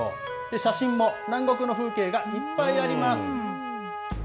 写真も南国の風景がいっぱいあります。